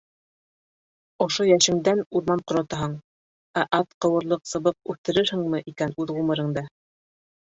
Ошо йәшеңдән урман ҡоротаһың, ә ат ҡыуырлыҡ сыбыҡ үҫтерерһеңме икән үҙ ғүмереңдә?!